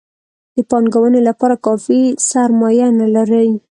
د پانګونې لپاره کافي سرمایه نه لري.